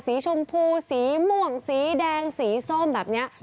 สีชมพูสีม่วงสีแดงสีส้มแบบนี้